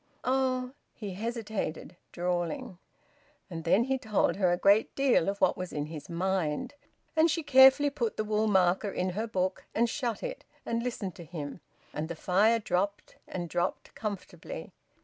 "Oh!" He hesitated, drawling, and then he told her a great deal of what was in his mind. And she carefully put the wool marker in her book and shut it, and listened to him. And the fire dropped and dropped, comfortably.